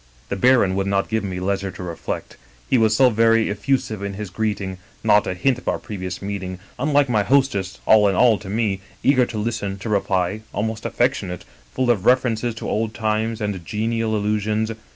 " The baron would not give me leisure to reflect; he was so very effusive in his greeting — not a hint of our pre vious meeting — unlike my hostess, all in all to me; eager to listen, to reply; almost affectionate, full of references to old times and genial allusions.